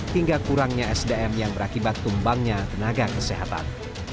hingga kurangnya sdm yang berakibat tumbangnya tenaga kesehatan